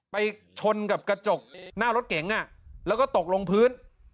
ไปชนกับกระจกหน้ารถเก๋งแล้วก็ตกลงพื้น